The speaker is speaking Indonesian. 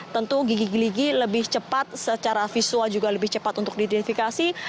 tentu gigi gigi lebih cepat secara visual juga lebih cepat untuk diidentifikasi